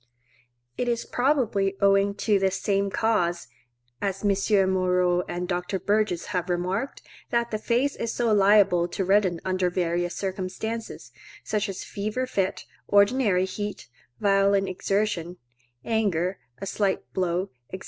It is probably owing to this same cause, as M. Moreau and Dr. Burgess have remarked, that the face is so liable to redden under various circumstances, such as a fever fit, ordinary heat, violent exertion, anger, a slight blow, &c.